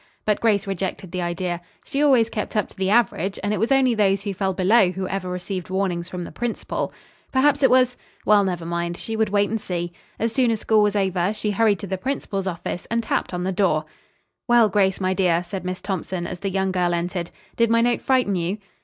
But Grace rejected the idea. She always kept up to the average, and it was only those who fell below who ever received warnings from the principal. Perhaps it was well, never mind, she would wait and see. As soon as school was over she hurried to the principal's office and tapped on the door. "Well, Grace, my dear," said Miss Thompson, as the young girl entered, "did my note frighten you?"